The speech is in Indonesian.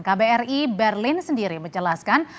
kbri berlin sendiri menjelaskan